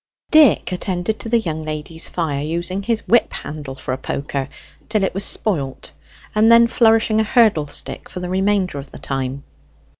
Dick attended to the young lady's fire, using his whip handle for a poker till it was spoilt, and then flourishing a hurdle stick for the remainder of the time.